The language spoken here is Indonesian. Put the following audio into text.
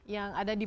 yang ada di